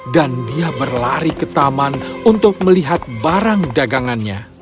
dan dia berlari ke taman untuk melihat barang dagangnya